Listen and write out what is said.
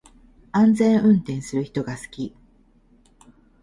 安全運転する人が好き